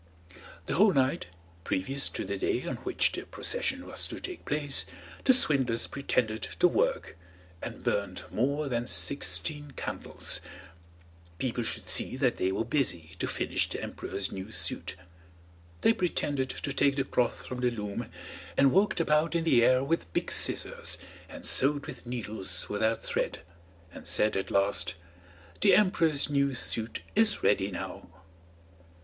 The whole night previous to the day on which the procession was to take place, the swindlers pretended to work, and burned more than sixteen candles. People should see that they were busy to finish the emperor's new suit. They pretended to take the cloth from the loom, and worked about in the air with big scissors, and sewed with needles without thread, and said at last: "The emperor's new suit is ready now."